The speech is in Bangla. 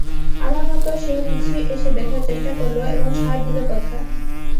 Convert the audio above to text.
আমার মতো সেও পিছিয়ে এসে দেখার চেষ্টা করল এবং সায় দিল কথায়।